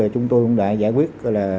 chúng tôi đã giải quyết